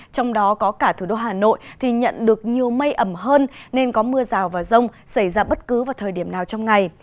trong đó có cả thủ đô hà nội thì nhận được nhiều mây ẩm hơn nên có mưa rào và rông xảy ra bất cứ vào thời điểm nào trong ngày